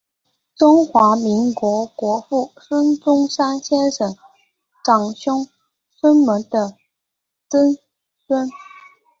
中华民国国父孙中山先生长兄孙眉的曾孙。